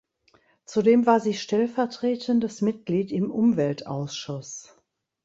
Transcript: Zudem war sie stellvertretendes Mitglied im Umweltausschuss.